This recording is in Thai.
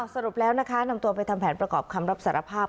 สรุปแล้วนะคะนำตัวไปทำแผนประกอบคำรับสารภาพ